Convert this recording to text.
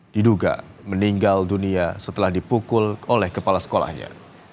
diduga meninggal dunia setelah dipukul oleh kepala sekolahnya